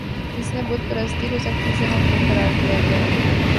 جس میں بت پرستی کو سختی سے ممنوع قرار دیا گیا